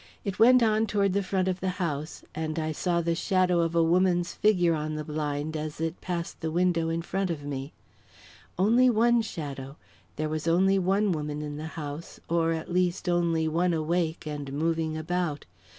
It went on toward the front of the house, and I saw the shadow of a woman's figure on the blind as it passed the window in front of me. Only one shadow there was only one woman in the house, or, at least, only one awake and moving about.